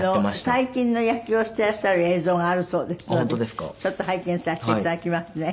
最近の野球をしていらっしゃる映像があるそうですのでちょっと拝見させて頂きますね。